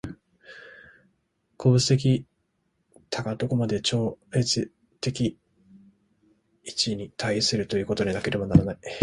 個物的多が何処までも超越的一に対するということでなければならない。